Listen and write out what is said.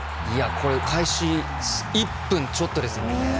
開始１分ちょっとですよね。